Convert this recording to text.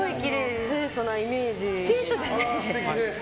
清楚なイメージ。